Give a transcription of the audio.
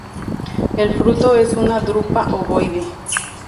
El fruto es una drupa ovoide.